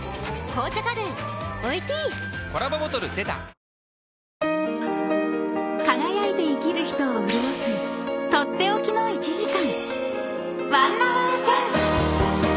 サントリーセサミン［輝いて生きる人を潤す取って置きの１時間］